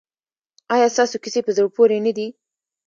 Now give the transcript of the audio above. ایا ستاسو کیسې په زړه پورې نه دي؟